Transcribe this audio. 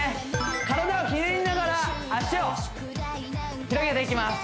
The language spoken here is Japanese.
体をひねりながら脚を広げていきます